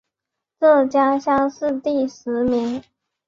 浙江乡试第十名。